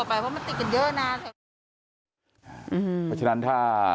เพราะฉะนั้นถ้า